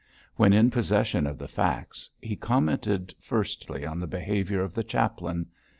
When in possession of the facts, he commented firstly on the behaviour of the chaplain.